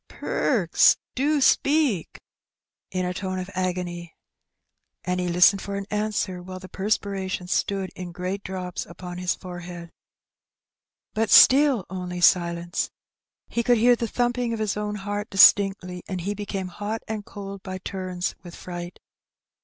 "Perks, do speak!" in a tone of agony. And he listened for an answer, while the perspiration stood in great drops upon his forehead. But still only silence. He could hear the thumping of his own heart distinctly, and he became hot and cold by turns with fright.